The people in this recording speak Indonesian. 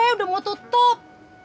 udah mau tutup